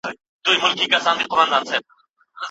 د اثر ټوکې یا جلدونه باید څرګند شي.